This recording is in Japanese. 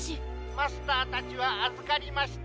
☎マスターたちはあずかりました。